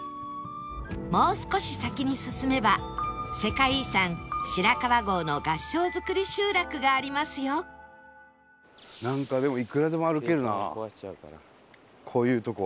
もう少し先に進めば世界遺産白川郷の合掌造り集落がありますよなんかでもいくらでも歩けるなこういうとこ。